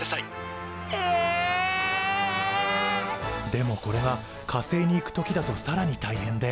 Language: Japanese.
でもこれは火星に行く時だとさらにたいへんで。